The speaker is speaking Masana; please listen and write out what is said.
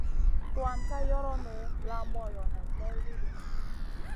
Tuan ka yoronu la moyo nen may widi.